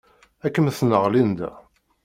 Ad kem-tenɣ Linda.